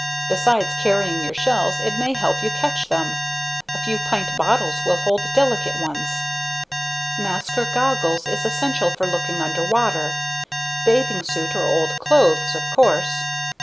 Besides carrying your shells, it may help you catch them. A few pint BOTTLES will hold delicate ones. MASK (or goggles) is essential for looking underwater. Bathing suit or old clothes, of course.